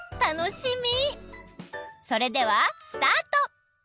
それではスタート！